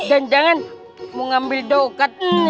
dan jangan mau ngambil dokat ini lagi